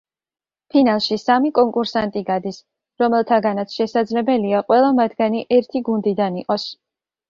ფინალში სამი კონკურსანტი გადის, რომელთაგანაც შესაძლებელია ყველა მათგანი ერთი გუნდიდან იყოს.